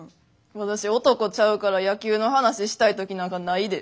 私男ちゃうから野球の話したい時なんかないで。